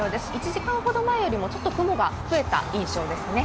１時間ほど前よりもちょっと雲が増えた印象ですね。